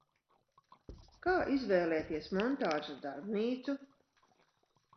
Kā izvēlēties montāžas darbnīcu?